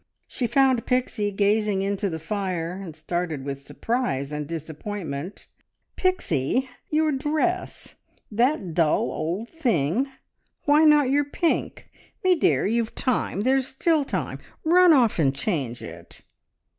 She found Pixie standing gazing into the fire, and started with surprise and disappointment. "Pixie, your dress! That dull old thing? Why not your pink? Me dear, you've time. ... There's still time. ... Run off and change it!"